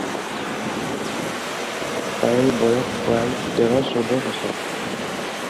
তাইৰ বয়স প্ৰায় তেৰ-চৈধ্য বছৰ।